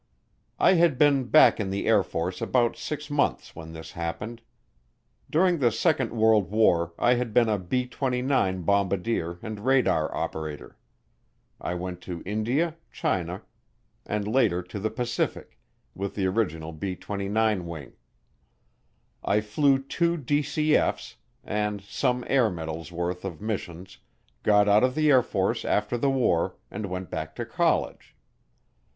I had been back in the Air Force about six months when this happened. During the second world war I had been a B 29 bombardier and radar operator. I went to India, China, and later to the Pacific, with the original B 29 wing. I flew two DCF's, and some Air Medals' worth of missions, got out of the Air Force after the war, and went back to college.